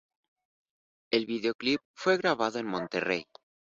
El videoclip fue grabado en Monterrey.